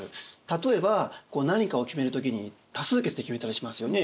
例えば何かを決める時に多数決で決めたりしますよね。